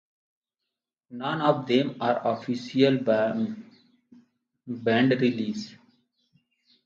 None of them are official band releases.